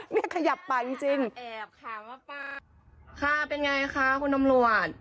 เนี้ยขยับปากจริงจริงแอบขามาปากค่ะเป็นไงค่ะคุณตำรวจ